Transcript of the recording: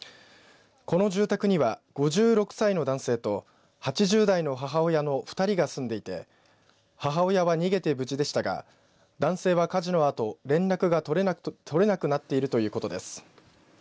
この住宅には５６歳の男性と８０代の母親の２人が住んでいて母親は逃げて無事でしたが男性は、火事のあと連絡が取れなくなっているということです。